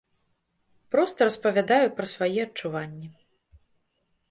Проста распавядаю пра свае адчуванні.